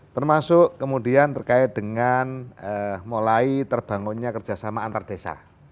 termasuk kemudian terkait dengan mulai terbangunnya kerjasama antar desa